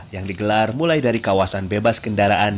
yang digelar mulai dari kawasan bebas kendaraan